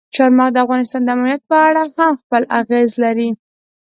چار مغز د افغانستان د امنیت په اړه هم خپل اغېز لري.